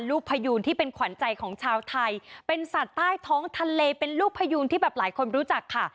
พยูนที่เป็นขวัญใจของชาวไทยเป็นสัตว์ใต้ท้องทะเลเป็นลูกพยูนที่แบบหลายคนรู้จักค่ะ